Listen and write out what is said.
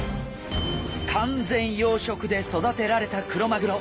完全養殖で育てられたクロマグロ。